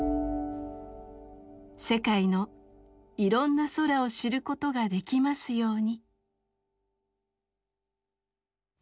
世界のいろんな空を知ることができますように。